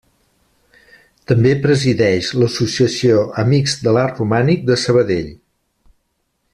També presideix l'associació Amics de l'Art Romànic de Sabadell.